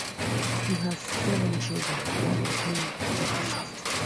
He has seven children, one of whom is deceased.